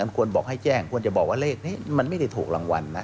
ควรบอกให้แจ้งควรจะบอกว่าเลขนี้มันไม่ได้ถูกรางวัลนะ